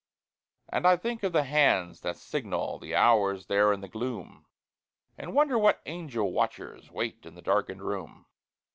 And I think of the hands that signal The hours there in the gloom, And wonder what angel watchers Wait in the darkened room.